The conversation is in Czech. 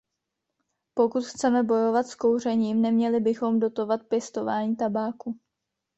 Pokud chceme bojovat s kouřením, neměli bychom dotovat pěstování tabáku.